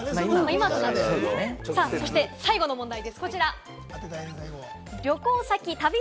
そして最後の問題です、こちら。